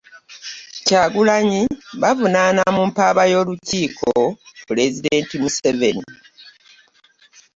Kyagulanyi b'avunaana mu mpaaba ye kuliko; Pulezidenti Museveni